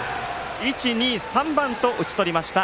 １、２、３番と打ち取りました。